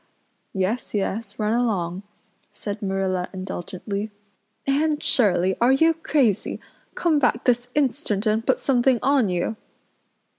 "Yes, yes, run along," said Marilla indulgently. "Anne Shirley are you crazy? Come back this instant and put something on you.